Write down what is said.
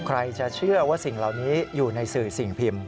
ใครจะเชื่อว่าสิ่งเหล่านี้อยู่ในสื่อสิ่งพิมพ์